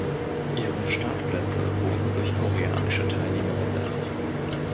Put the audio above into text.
Ihre Startplätze wurden durch koreanische Teilnehmer besetzt.